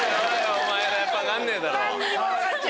お前らやっぱ分かんねえだろ。